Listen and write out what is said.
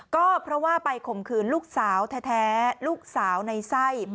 ก็เพราะว่าไปข่มขืนลูกสาวแท้ลูกสาวในไส้